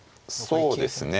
そうですね